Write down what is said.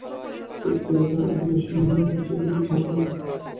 সেক্ষেত্রে তারা আদিবাসী মহিলা এবং বাচ্চাদেরও ছাড়বে না।